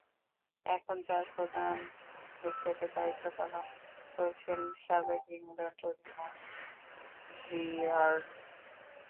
এখন যার প্রধান হিসেবে দায়িত্ব পালন করছেন সাবেক ইংল্যান্ড অধিনায়ক মাইক ব্রিয়ারলি।